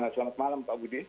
selamat malam pak budi